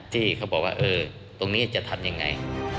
ที่เขาบอกว่าตรงนี้จะทำยังไง